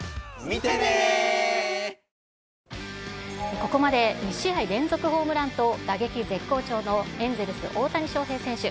ここまで２試合連続ホームランと、打撃絶好調のエンゼルス、大谷翔平選手。